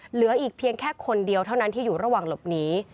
เหลืออีกเพียงแค่คนเดียวเท่านั้นที่อยู่ระหว่างหลบหนี